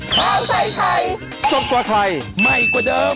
เผ้าใส่ไข่ซบกว่าไข่ไหม้กว่าเดิม